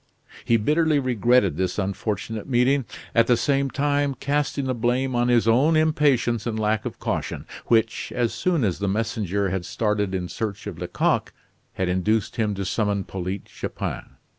He bitterly regretted this unfortunate meeting; at the same time casting the blame on his own impatience and lack of caution, which, as soon as the messenger had started in search of Lecoq, had induced him to summon Polyte Chupin.